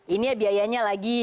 ini biayanya lagi